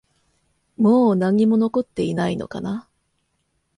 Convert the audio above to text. もう何も残っていないのかな？